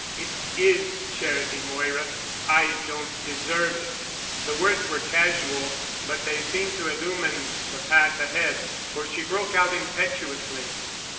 "It is charity, Moira. I don't deserve it." The words were casual but they seemed to illumine the path ahead, for she broke out impetuously.